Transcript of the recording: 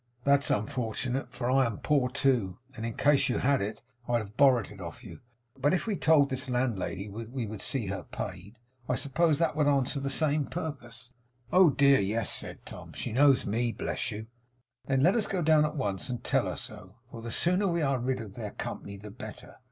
'That's unfortunate, for I am poor too; and in case you had had it, I'd have borrowed it of you. But if we told this landlady we would see her paid, I suppose that would answer the same purpose?' 'Oh dear, yes!' said Tom. 'She knows me, bless you!' 'Then let us go down at once and tell her so; for the sooner we are rid of their company the better.